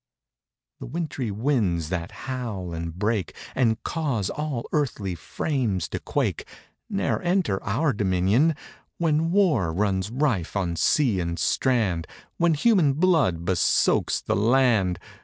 The wintry winds that howl and break And cause all earthly frames to quake Ne'er enter our dominion, When war runs rife on sea and strand; When human blood besoaks the land.